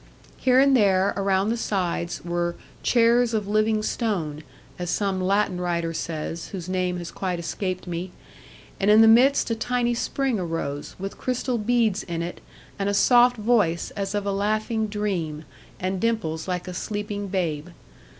Here and there, around the sides, were 'chairs of living stone,' as some Latin writer says, whose name has quite escaped me; and in the midst a tiny spring arose, with crystal beads in it, and a soft voice as of a laughing dream, and dimples like a sleeping babe.